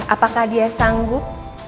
apakah dia sanggup